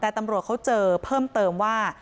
แต่ตำรวจเขาเจอเพิ่มเติมว่า